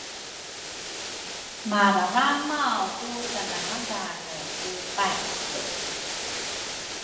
mararamaw ku salangadhane ku paysu